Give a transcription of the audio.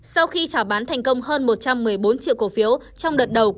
sau khi trào bán thành công hơn một trăm một mươi bốn triệu cổ phiếu trong đợt đầu